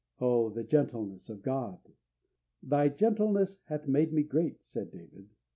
Oh, the gentleness of God! "Thy gentleness hath made me great," said David.